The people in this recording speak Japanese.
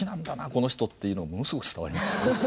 この人」っていうのものすごい伝わります。